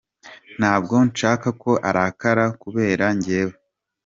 Ntabwo nshaka ko arakara kubera njyewe.